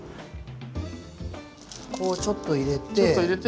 こうちょっと入れて。